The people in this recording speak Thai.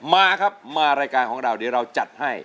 มาครับมารายการของเราเดี๋ยวเราจัดให้